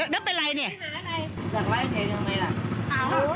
นั้นไปไหนเนี้ยเฉลี่ยอะไร